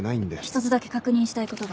１つだけ確認したいことが。